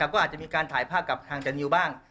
ก็อาจจะมีการถ่ายภาพกับทางจานิวบ้าง